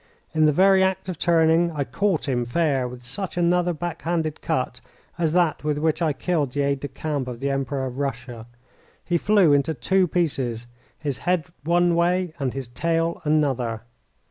In the very act of turning I caught him fair with such another back handed cut as that with which I killed the aide de camp of the Emperor of Russia. He flew into two pieces, his head one way and his tail another.